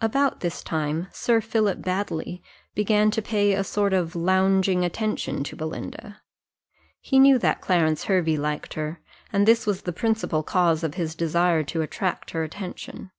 About this time Sir Philip Baddely began to pay a sort of lounging attention to Belinda: he knew that Clarence Hervey liked her, and this was the principal cause of his desire to attract her attention.